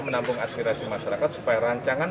menampung aspirasi masyarakat supaya rancangan